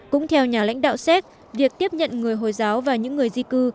cũng theo nhà lãnh đạo séc việc tiếp nhận người hồi giáo và những người di cư